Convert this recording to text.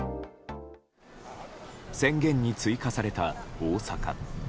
宣言に追加された大阪。